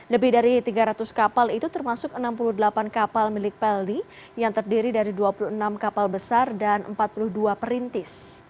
lebih dari tiga ratus kapal itu termasuk enam puluh delapan kapal milik pelni yang terdiri dari dua puluh enam kapal besar dan empat puluh dua perintis